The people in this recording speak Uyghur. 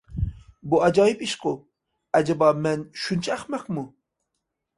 بۇ ئاجايىپ ئىشقۇ، ئەجەبا، مەن شۇنچە ئەخمەقمۇ؟